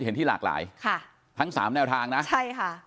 คิดเห็นที่หลากหลายทั้ง๓แนวทางนะใช่ค่ะ